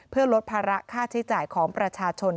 เพื่อลดภาระค่าใช้จ่ายของประชาชน